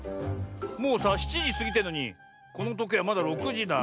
もうさ７じすぎてんのにこのとけいまだ６じだ。